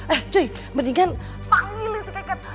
eh cuy mendingan panggilin si keket